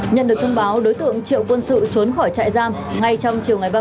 nhân được thông báo đối tượng triệu quân sự trốn khỏi trại giam của cục điều tra hình sự bộ quốc phòng